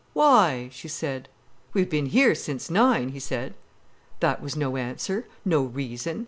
"Why?" she said. "We've been here since nine," he said. That was no answer, no reason.